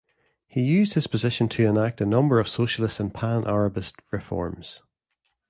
He used his position to enact a number of socialist and Pan-Arabist reforms.